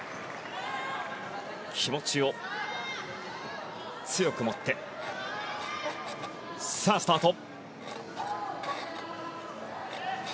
気持ちを強く持ってスタート。